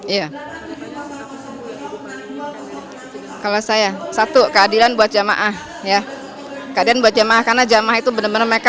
iya kalau saya satu keadilan buat jamaah ya keadilan buat jemaah karena jamaah itu benar benar mereka